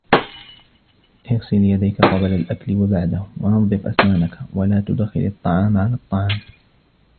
اِغْسِلْ يَدَيْكَ قَبْلَ الْأَكْلِ وَبَعْدَهُ ، وَنَظِّفَ أسْنَانَكَ ، وَلَا تُدْخِلِ الطَّعَامَ عَلَى الطَّعَامِ.